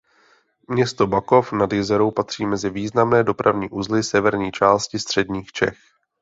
Město Bakov nad Jizerou patří mezi významné dopravní uzly severní části středních Čech.